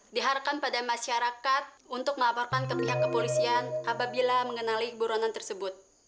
diharapkan pada masyarakat untuk melaporkan ke pihak kepolisian apabila mengenali buronan tersebut